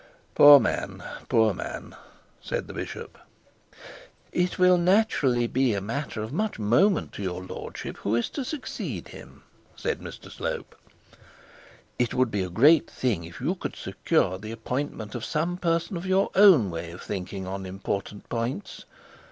'Poor man, poor man!' said the bishop. 'It will naturally be a matter of much moment to your lordship who is to succeed him,' said Mr Slope. 'It would be a great thing if you could secure the appointment for some person of your own way of thinking on important points.